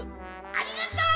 ありがとう！